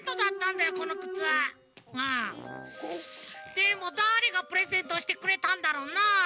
でもだれがプレゼントしてくれたんだろうな？